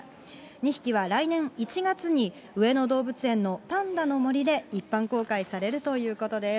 ２匹は来年１月に、上野動物園のパンダのもりで一般公開されるということです。